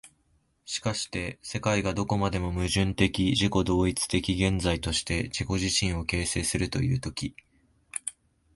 しかして世界がどこまでも矛盾的自己同一的現在として自己自身を形成するという時、